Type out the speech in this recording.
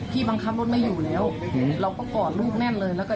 พี่บังคับรถไม่อยู่แล้วเราก็กอดลูกแน่นไหม